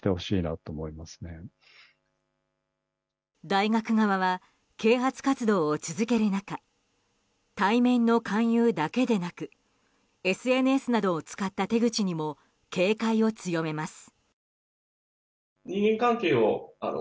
大学側は、啓発活動を続ける中対面の勧誘だけでなくＳＮＳなどを使った手口にも警戒を強めます。